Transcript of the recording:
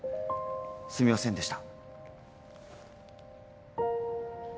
すみませんでした。